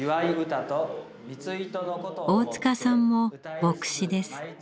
大塚さんも牧師です。